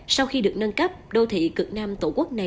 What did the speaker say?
sau khi được nâng cấp đô thị cực nam tổ quốc này